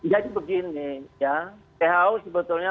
ya begini ya tho sebetulnya